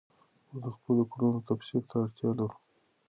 موږ د خپلو کړنو تفسیر ته اړتیا لرو.